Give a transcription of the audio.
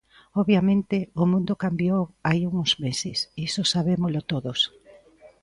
Obviamente, o mundo cambiou hai uns meses, iso sabémolo todos.